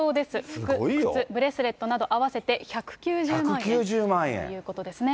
服、靴、ブレスレットなど合わせて１９０万円ということですね。